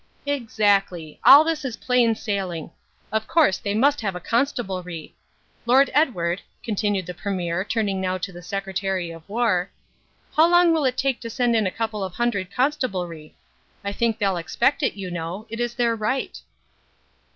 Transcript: "Exactly. All this is plain sailing. Of course they must have a constabulary. Lord Edward," continued the Premier, turning now to the Secretary of War, "how long will it take to send in a couple of hundred constabulary? I think they'll expect it, you know. It's their right."